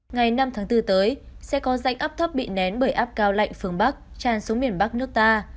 ngày năm tháng bốn tới sẽ có rãnh áp thấp bị nén bởi áp cao lạnh phương bắc tràn xuống miền bắc nước ta